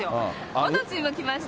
おとついも来ました。